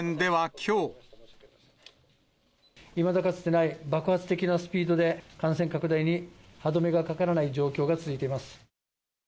いまだかつてない爆発的なスピードで、感染拡大に歯止めがかからない状況が続いています。